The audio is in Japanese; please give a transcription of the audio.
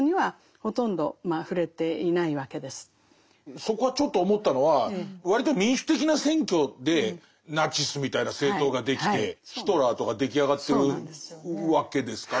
そこはちょっと思ったのは割と民主的な選挙でナチスみたいな政党ができてヒトラーとか出来上がってるわけですから。